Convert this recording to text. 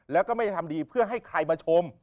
แล้วก็ไม่ได้ทำดีเพื่อให้ใครมาชม